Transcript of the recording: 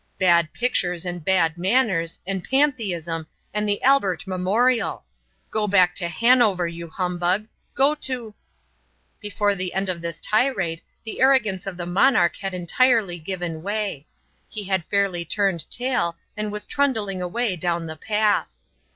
Bad pictures and bad manners and pantheism and the Albert Memorial. Go back to Hanover, you humbug? Go to " Before the end of this tirade the arrogance of the monarch had entirely given way; he had fairly turned tail and was trundling away down the path.